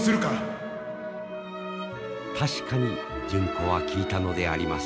確かに純子は聞いたのであります。